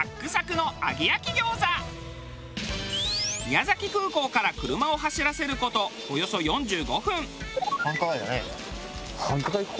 宮崎空港から車を走らせる事およそ４５分。